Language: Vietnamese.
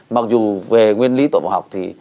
mặc dù về nguyên lý tội bỏ học thì